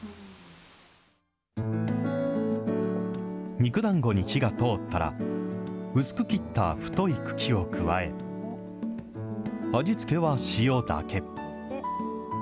肉だんごに火が通ったら、薄く切った太い茎を加え、味付けは塩だけ。